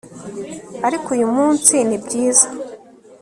ariko uyu munsi ni byiza